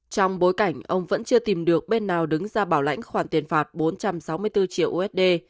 trong bối cảnh ông vẫn chưa tìm được bên nào đứng ra bảo lãnh khoản tiền phạt bốn trăm sáu mươi bốn triệu usd